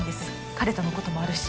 彼とのこともあるし。